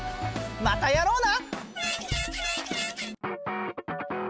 またやろうな！